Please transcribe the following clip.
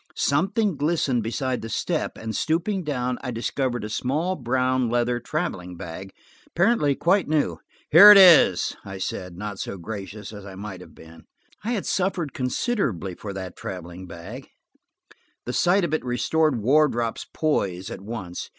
Something glistened beside the step, and stooping down I discovered a small brown leather traveling bag, apparently quite new. "Here it is," I said, not so gracious as I might have been; I had suffered considerably for that traveling bag. The sight of it restored Wardrop's poise at once.